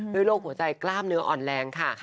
โรคหัวใจกล้ามเนื้ออ่อนแรงค่ะ